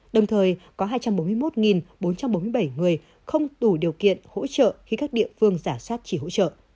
đồng thời có hai trăm bốn mươi một bốn trăm bốn mươi bảy người không tủ điều kiện hỗ trợ khi các địa phương giả sát trí hỗ trợ